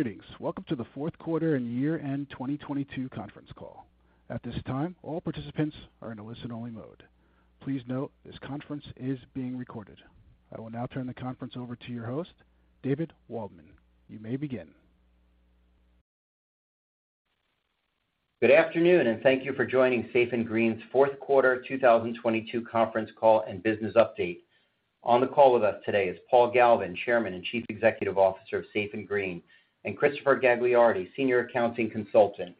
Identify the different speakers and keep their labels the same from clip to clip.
Speaker 1: Greetings. Welcome to the fourth quarter and year-end 2022 conference call. At this time, all participants are in a listen-only mode. Please note, this conference is being recorded. I will now turn the conference over to your host, David Waldman. You may begin. Good afternoon. Thank you for joining Safe & Green's fourth quarter 2022 conference call and business update. On the call with us today is Paul Galvin, Chairman and Chief Executive Officer of Safe & Green, and Christopher Gagliardi, Senior Accounting Consultant.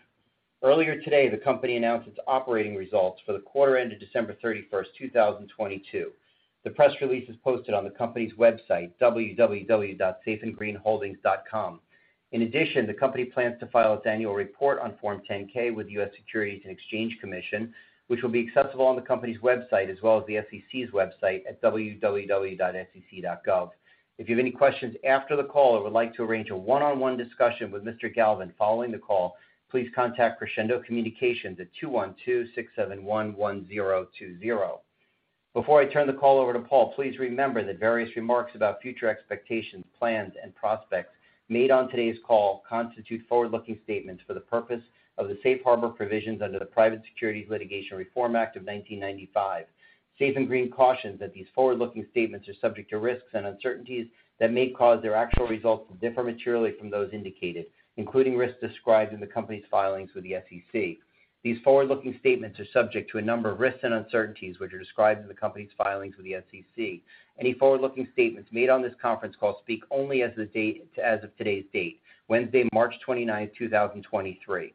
Speaker 1: Earlier today, the company announced its operating results for the quarter ended December 31st, 2022. The press release is posted on the company's website, www.safeandgreenholdings.com. In addition, the company plans to file its annual report on Form 10-K with the U.S. Securities and Exchange Commission, which will be accessible on the company's website as well as the SEC's website at www.sec.gov. If you have any questions after the call or would like to arrange a one-on-one discussion with Mr. Galvin following the call, please contact Crescendo Communications at 212-671-1020. Before I turn the call over to Paul, please remember that various remarks about future expectations, plans, and prospects made on today's call constitute forward-looking statements for the purpose of the Safe Harbor Provisions under the Private Securities Litigation Reform Act of 1995. Safe & Green cautions that these forward-looking statements are subject to risks and uncertainties that may cause their actual results to differ materially from those indicated, including risks described in the company's filings with the SEC. These forward-looking statements are subject to a number of risks and uncertainties, which are described in the company's filings with the SEC. Any forward-looking statements made on this conference call speak only as of today's date, Wednesday, March 29th, 2023.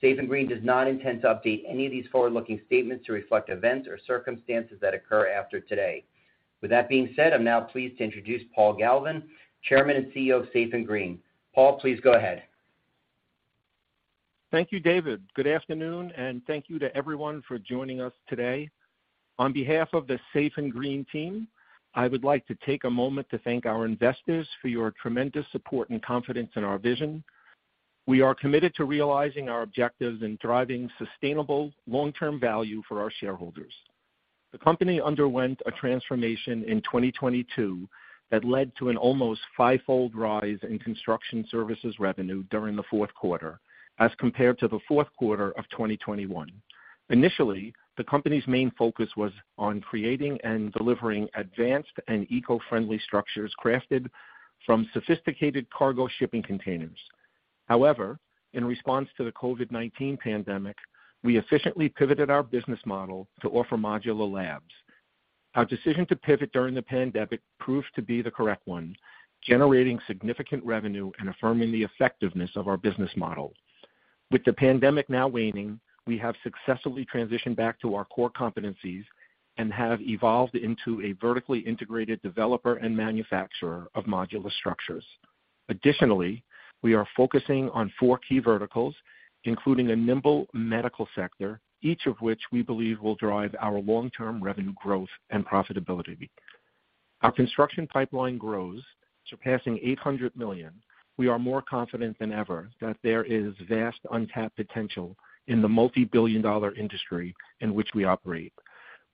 Speaker 1: Safe & Green does not intend to update any of these forward-looking statements to reflect events or circumstances that occur after today. With that being said, I'm now pleased to introduce Paul Galvin, Chairman and CEO of Safe & Green. Paul, please go ahead.
Speaker 2: Thank you, David. Good afternoon, and thank you to everyone for joining us today. On behalf of the Safe & Green team, I would like to take a moment to thank our investors for your tremendous support and confidence in our vision. We are committed to realizing our objectives and driving sustainable long-term value for our shareholders. The company underwent a transformation in 2022 that led to an almost five-fold rise in construction services revenue during the fourth quarter as compared to the fourth quarter of 2021. Initially, the company's main focus was on creating and delivering advanced and eco-friendly structures crafted from sophisticated cargo shipping containers. However, in response to the COVID-19 pandemic, we efficiently pivoted our business model to offer modular labs. Our decision to pivot during the pandemic proved to be the correct one, generating significant revenue and affirming the effectiveness of our business model. With the pandemic now waning, we have successfully transitioned back to our core competencies and have evolved into a vertically integrated developer and manufacturer of modular structures. Additionally, we are focusing on four key verticals, including a nimble medical sector, each of which we believe will drive our long-term revenue growth and profitability. Our construction pipeline grows, surpassing $800 million. We are more confident than ever that there is vast untapped potential in the multi-billion dollar industry in which we operate.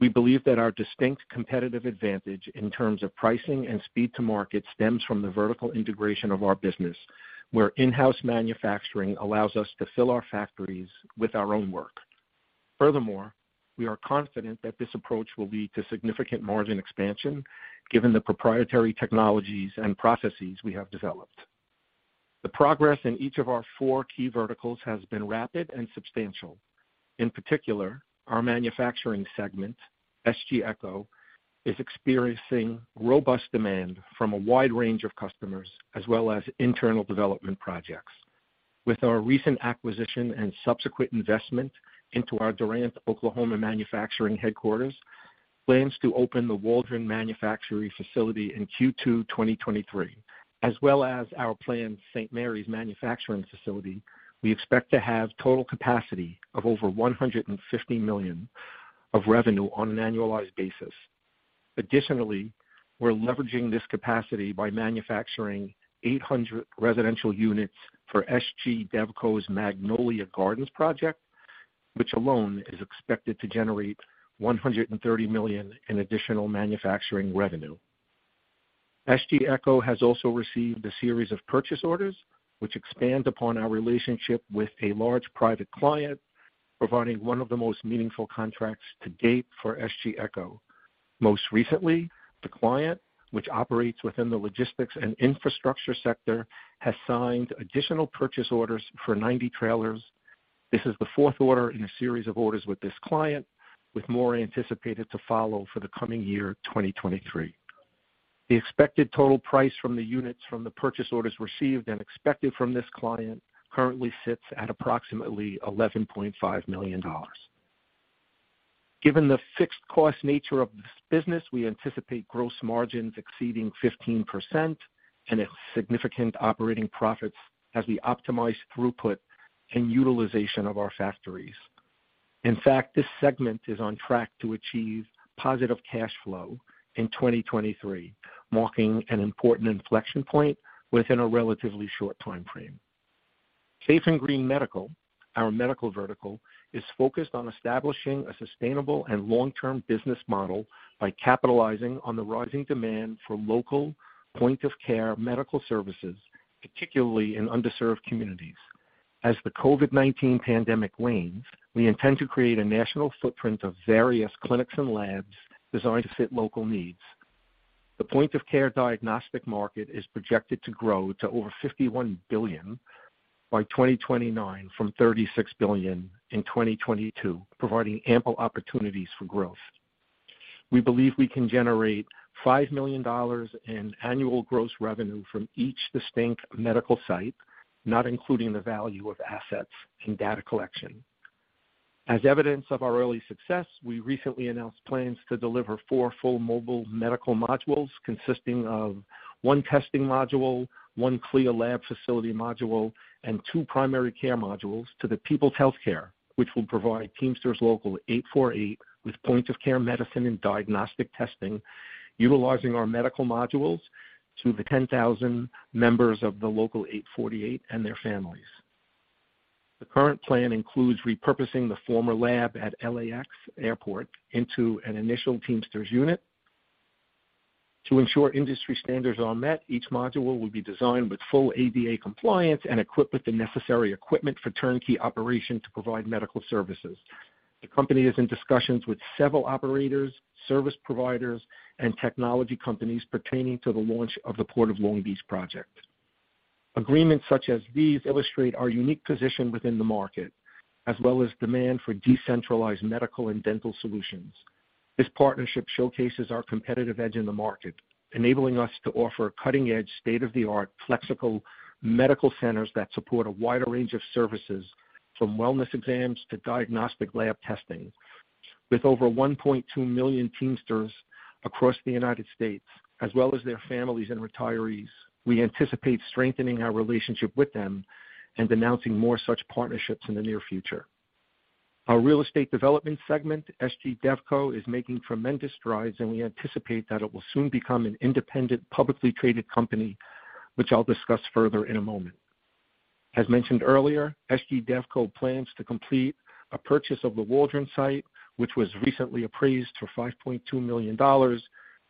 Speaker 2: We believe that our distinct competitive advantage in terms of pricing and speed to market stems from the vertical integration of our business, where in-house manufacturing allows us to fill our factories with our own work. Furthermore, we are confident that this approach will lead to significant margin expansion given the proprietary technologies and processes we have developed. The progress in each of our four key verticals has been rapid and substantial. In particular, our manufacturing segment, SG Echo, is experiencing robust demand from a wide range of customers as well as internal development projects. With our recent acquisition and subsequent investment into our Durant, Oklahoma, manufacturing headquarters, plans to open the Waldron manufacturing facility in Q2 2023, as well as our planned St. Marys manufacturing facility, we expect to have total capacity of over $150 million of revenue on an annualized basis. Additionally, we're leveraging this capacity by manufacturing 800 residential units for SG DevCo's Magnolia Gardens project, which alone is expected to generate $130 million in additional manufacturing revenue. SG Echo has also received a series of purchase orders which expand upon our relationship with a large private client, providing one of the most meaningful contracts to date for SG Echo. Most recently, the client, which operates within the logistics and infrastructure sector, has signed additional purchase orders for 90 trailers. This is the fourth order in a series of orders with this client, with more anticipated to follow for the coming year, 2023. The expected total price from the units from the purchase orders received and expected from this client currently sits at approximately $11.5 million. Given the fixed cost nature of this business, we anticipate gross margins exceeding 15% and a significant operating profits as we optimize throughput and utilization of our factories. In fact, this segment is on track to achieve positive cash flow in 2023, marking an important inflection point within a relatively short time frame. Safe and Green Medical, our medical vertical, is focused on establishing a sustainable and long-term business model by capitalizing on the rising demand for local point of care medical services, particularly in underserved communities. As the COVID-19 pandemic wanes, we intend to create a national footprint of various clinics and labs designed to fit local needs. The point of care diagnostic market is projected to grow to over $51 billion by 2029 from $36 billion in 2022, providing ample opportunities for growth. We believe we can generate $5 million in annual gross revenue from each distinct medical site, not including the value of assets and data collection. As evidence of our early success, we recently announced plans to deliver four full mobile medical modules consisting of one testing module, one CLIA lab facility module, and two primary care modules to the People's Healthcare, which will provide Teamsters Local 848 with point of care medicine and diagnostic testing, utilizing our medical modules to the 10,000 members of the Local 848 and their families. The current plan includes repurposing the former lab at LAX Airport into an initial Teamsters unit. To ensure industry standards are met, each module will be designed with full ADA compliance and equipped with the necessary equipment for turnkey operation to provide medical services. The company is in discussions with several operators, service providers, and technology companies pertaining to the launch of the Port of Long Beach project. Agreements such as these illustrate our unique position within the market, as well as demand for decentralized medical and dental solutions. This partnership showcases our competitive edge in the market, enabling us to offer cutting-edge, state-of-the-art, flexible medical centers that support a wider range of services, from wellness exams to diagnostic lab testing. With over 1.2 million Teamsters across the United States, as well as their families and retirees, we anticipate strengthening our relationship with them and announcing more such partnerships in the near future. Our real estate development segment, SG DevCo, is making tremendous strides, and we anticipate that it will soon become an independent, publicly traded company, which I'll discuss further in a moment. As mentioned earlier, SG DevCo plans to complete a purchase of the Waldron site, which was recently appraised for $5.2 million,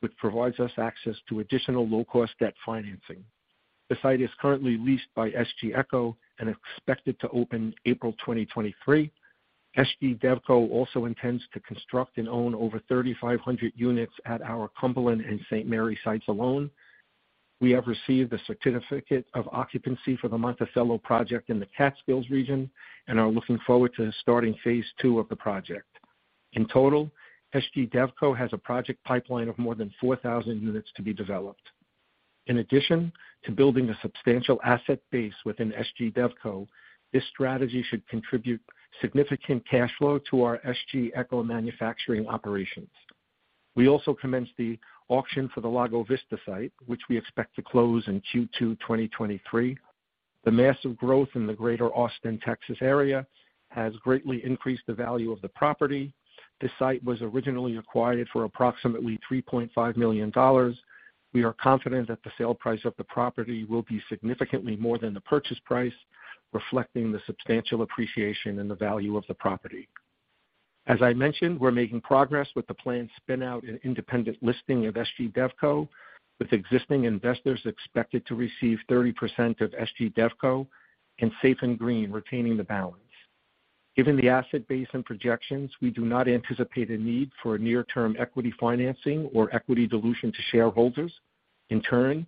Speaker 2: which provides us access to additional low-cost debt financing. The site is currently leased by SG Echo and expected to open April 2023. SG DevCo also intends to construct and own over 3,500 units at our Cumberland and St. Marys sites alone. We have received a certificate of occupancy for the Monticello project in the Catskills region and are looking forward to starting phase two of the project. In total, SG DevCo has a project pipeline of more than 4,000 units to be developed. In addition to building a substantial asset base within SG DevCo, this strategy should contribute significant cash flow to our SG Echo manufacturing operations. We also commenced the auction for the Lago Vista site, which we expect to close in Q2 2023. The massive growth in the greater Austin, Texas area has greatly increased the value of the property. This site was originally acquired for approximately $3.5 million. We are confident that the sale price of the property will be significantly more than the purchase price, reflecting the substantial appreciation in the value of the property. As I mentioned, we're making progress with the planned spin-out and independent listing of SG DevCo, with existing investors expected to receive 30% of SG DevCo and Safe & Green retaining the balance. Given the asset base and projections, we do not anticipate a need for a near-term equity financing or equity dilution to shareholders. In turn,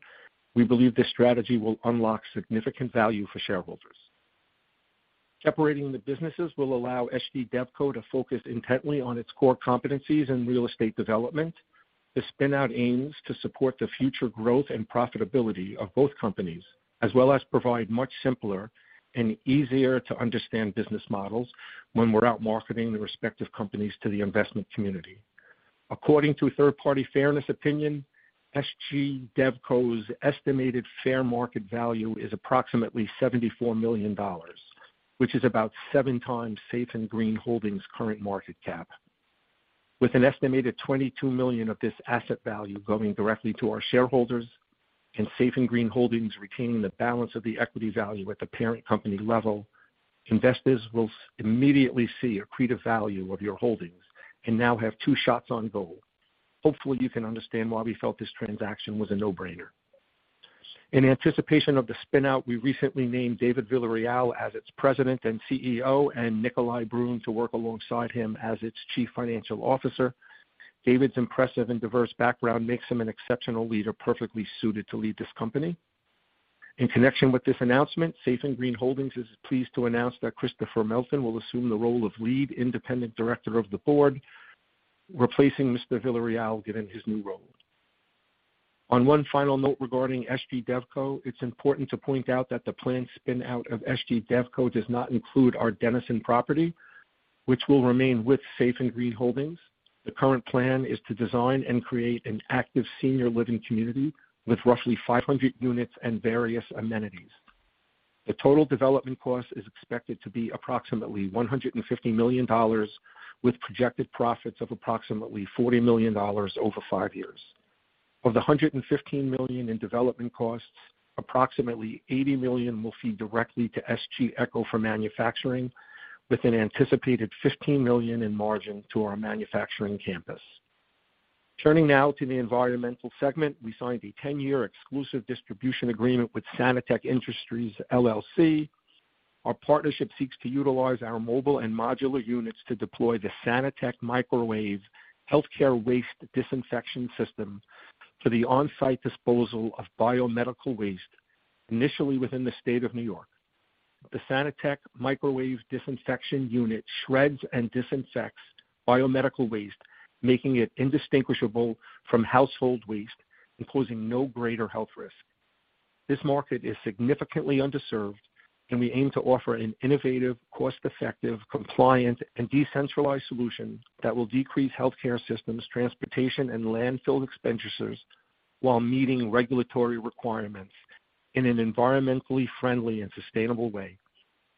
Speaker 2: we believe this strategy will unlock significant value for shareholders. Separating the businesses will allow SG DevCo to focus intently on its core competencies in real estate development. The spin-out aims to support the future growth and profitability of both companies, as well as provide much simpler and easier to understand business models when we're out marketing the respective companies to the investment community. According to a third-party fairness opinion, SG DevCo's estimated fair market value is approximately $74 million, which is about 7x Safe & Green Holdings' current market cap. With an estimated $22 million of this asset value going directly to our shareholders, and Safe & Green Holdings retaining the balance of the equity value at the parent company level, investors will immediately see accretive value of your holdings and now have two shots on goal. Hopefully, you can understand why we felt this transaction was a no-brainer. In anticipation of the spin-out, we recently named David Villarreal as its President and CEO, and Nicolai Brune to work alongside him as its Chief Financial Officer. David's impressive and diverse background makes him an exceptional leader, perfectly suited to lead this company. In connection with this announcement, Safe & Green Holdings Corp. is pleased to announce that Christopher Melton will assume the role of Lead Independent Director of the Board, replacing Mr. Villarreal given his new role. On one final note regarding SG DevCo, it's important to point out that the planned spin-out of SG DevCo does not include our Denison property, which will remain with Safe & Green Holdings Corp. The current plan is to design and create an active senior living community with roughly 500 units and various amenities. The total development cost is expected to be approximately $150 million, with projected profits of approximately $40 million over five years. Of the $115 million in development costs, approximately $80 million will feed directly to SG Echo for manufacturing with an anticipated $15 million in margin to our manufacturing campus. Turning now to the environmental segment. We signed a 10-year exclusive distribution agreement with Sanitec Industries, LLC. Our partnership seeks to utilize our mobile and modular units to deploy the Sanitec microwave healthcare waste disinfection system for the on-site disposal of biomedical waste, initially within the state of New York. The Sanitec microwave disinfection unit shreds and disinfects biomedical waste, making it indistinguishable from household waste and posing no greater health risk. This market is significantly underserved. We aim to offer an innovative, cost-effective, compliant and decentralized solution that will decrease healthcare systems, transportation and landfill expenditures while meeting regulatory requirements in an environmentally friendly and sustainable way.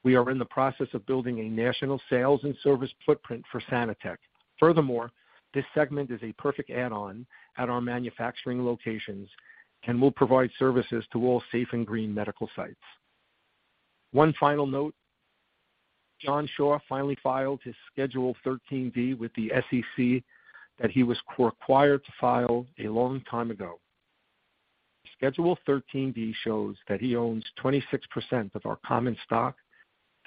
Speaker 2: We are in the process of building a national sales and service footprint for Sanitec. Furthermore, this segment is a perfect add-on at our manufacturing locations and will provide services to all Safe and Green Medical sites. One final note, John Shaw finally filed his Schedule 13D with the SEC that he was required to file a long time ago. Schedule 13D shows that he owns 26% of our common stock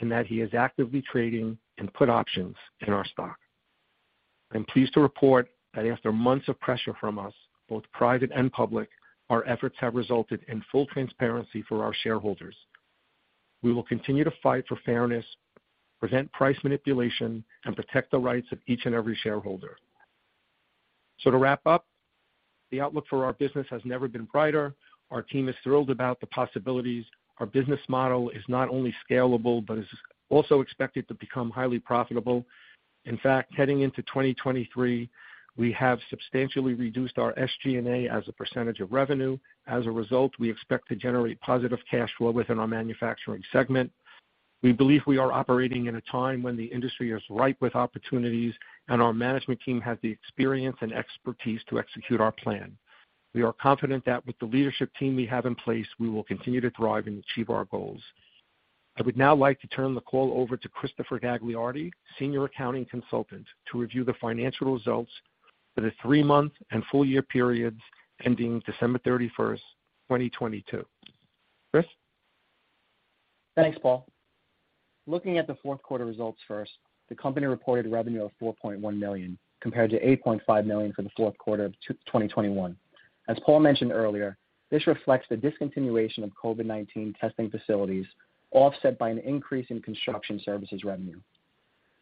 Speaker 2: and that he is actively trading and put options in our stock. I'm pleased to report that after months of pressure from us, both private and public, our efforts have resulted in full transparency for our shareholders. We will continue to fight for fairness, prevent price manipulation, and protect the rights of each and every shareholder. To wrap up, the outlook for our business has never been brighter. Our team is thrilled about the possibilities. Our business model is not only scalable, but is also expected to become highly profitable. In fact, heading into 2023, we have substantially reduced our SG&A as a percentage of revenue. As a result, we expect to generate positive cash flow within our manufacturing segment. We believe we are operating in a time when the industry is ripe with opportunities and our management team has the experience and expertise to execute our plan. We are confident that with the leadership team we have in place, we will continue to thrive and achieve our goals. I would now like to turn the call over to Christopher Gagliardi, Senior Accounting Consultant, to review the financial results for the three-month and full-year periods ending December 31st, 2022. Chris?
Speaker 3: Thanks, Paul. Looking at the fourth quarter results first, the company reported revenue of $4.1 million compared to $8.5 million for the fourth quarter of 2021. As Paul mentioned earlier, this reflects the discontinuation of COVID-19 testing facilities, offset by an increase in construction services revenue.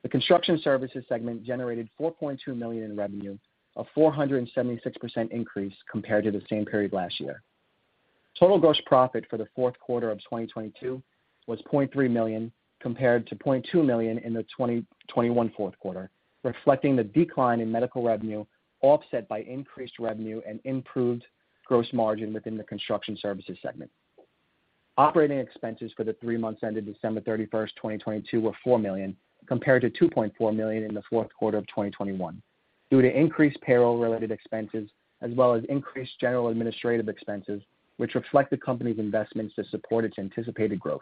Speaker 3: The construction services segment generated $4.2 million in revenue, a 476% increase compared to the same period last year. Total gross profit for the fourth quarter of 2022 was $0.3 million, compared to $0.2 million in the 2021 fourth quarter, reflecting the decline in medical revenue, offset by increased revenue and improved gross margin within the construction services segment. Operating expenses for the three months ended December 31, 2022 were $4 million, compared to $2.4 million in the fourth quarter of 2021, due to increased payroll-related expenses as well as increased general administrative expenses, which reflect the company's investments to support its anticipated growth.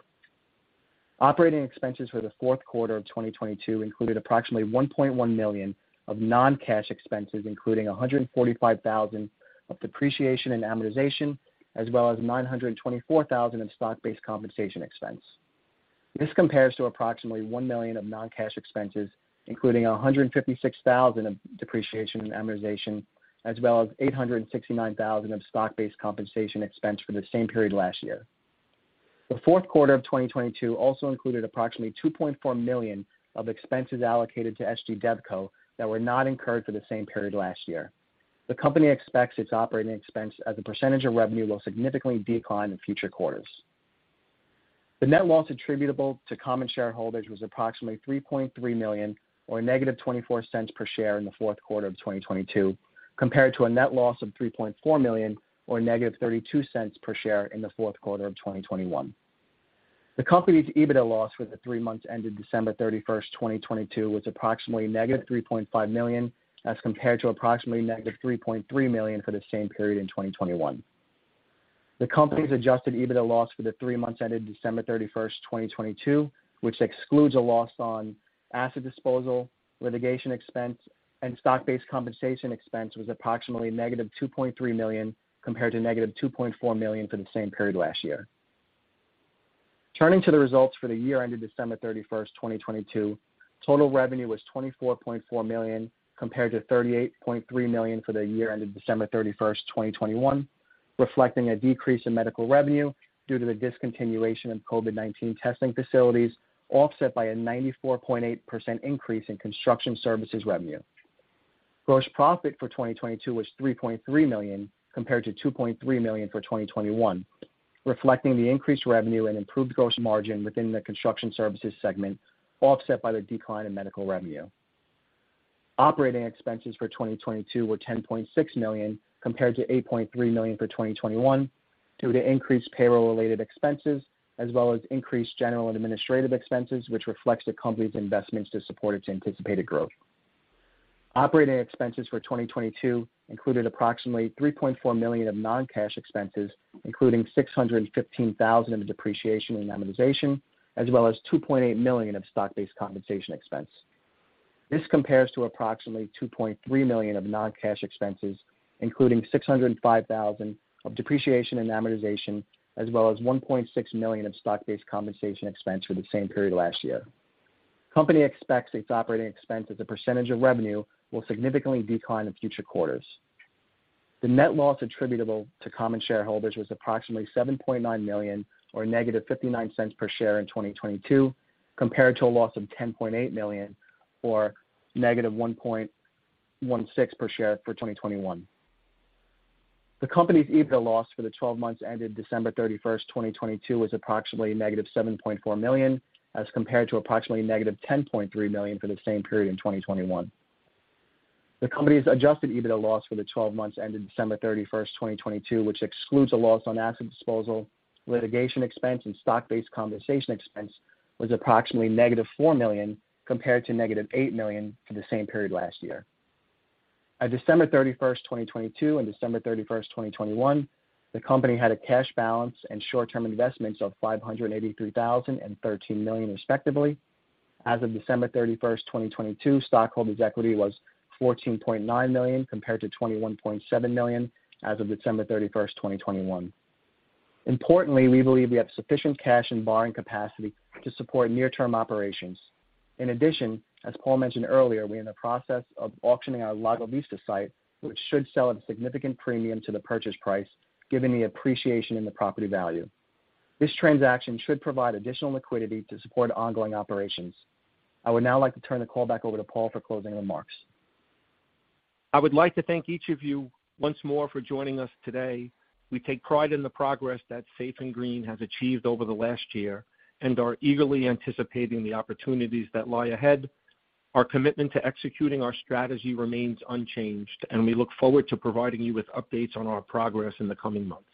Speaker 3: Operating expenses for the fourth quarter of 2022 included approximately $1.1 million of non-cash expenses, including $145,000 of depreciation and amortization, as well as $924,000 in stock-based compensation expense. This compares to approximately $1 million of non-cash expenses, including $156,000 of depreciation and amortization, as well as $869,000 of stock-based compensation expense for the same period last year. The fourth quarter of 2022 also included approximately $2.4 million of expenses allocated to SG DevCo that were not incurred for the same period last year. The company expects its operating expense as a percentage of revenue will significantly decline in future quarters. The net loss attributable to common shareholders was approximately $3.3 million, or -$0.24 per share in the fourth quarter of 2022, compared to a net loss of $3.4 million, or -$0.32 per share in the fourth quarter of 2021. The company's EBITDA loss for the three months ended December 31st, 2022 was approximately -$3.5 million, as compared to approximately -$3.3 million for the same period in 2021. The company's adjusted EBITDA loss for the three months ended December 31, 2022, which excludes a loss on asset disposal, litigation expense, and stock-based compensation expense, was approximately -$2.3 million, compared to -$2.4 million for the same period last year. Turning to the results for the year ended December 31, 2022. Total revenue was $24.4 million, compared to $38.3 million for the year ended December 31, 2021, reflecting a decrease in medical revenue due to the discontinuation of COVID-19 testing facilities, offset by a 94.8% increase in construction services revenue. Gross profit for 2022 was $3.3 million, compared to $2.3 million for 2021, reflecting the increased revenue and improved gross margin within the construction services segment, offset by the decline in medical revenue. Operating expenses for 2022 were $10.6 million, compared to $8.3 million for 2021. Due to increased payroll related expenses as well as increased general and administrative expenses, which reflects the company's investments to support its anticipated growth. Operating expenses for 2022 included approximately $3.4 million of non-cash expenses, including $615,000 in depreciation and amortization, as well as $2.8 million of stock-based compensation expense. This compares to approximately $2.3 million of non-cash expenses, including $605,000 of depreciation and amortization, as well as $1.6 million of stock-based compensation expense for the same period last year. Company expects its operating expense as a percentage of revenue will significantly decline in future quarters. The net loss attributable to common shareholders was approximately $7.9 million, or -$0.59 per share in 2022, compared to a loss of $10.8 million, or -$1.16 per share for 2021. The company's EBITDA loss for the 12 months ended December 31st, 2022, was approximately -$7.4 million, as compared to approximately -$10.3 million for the same period in 2021. The company's adjusted EBITDA loss for the 12 months ended December 31st, 2022, which excludes a loss on asset disposal, litigation expense, and stock-based compensation expense, was approximately -$4 million, compared to -$8 million for the same period last year. At December 31st, 2022, and December 31st, 2021, the company had a cash balance and short-term investments of $583,000 and $13 million, respectively. As of December 31st, 2022, stockholders' equity was $14.9 million compared to $21.7 million as of December 31st, 2021. Importantly, we believe we have sufficient cash and borrowing capacity to support near-term operations. In addition, as Paul mentioned earlier, we are in the process of auctioning our Lago Vista site, which should sell at a significant premium to the purchase price given the appreciation in the property value. This transaction should provide additional liquidity to support ongoing operations. I would now like to turn the call back over to Paul for closing remarks.
Speaker 2: I would like to thank each of you once more for joining us today. We take pride in the progress that Safe & Green has achieved over the last year and are eagerly anticipating the opportunities that lie ahead. Our commitment to executing our strategy remains unchanged, and we look forward to providing you with updates on our progress in the coming months. Thank you.